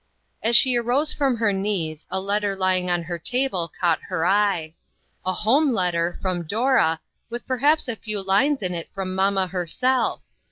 As she arose from her knees, a letter ly ing on her table caught her eye. A home letter, from Dora, with perhaps a few lines in it from mamma herself.